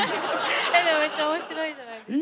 でもめっちゃ面白いじゃないですか。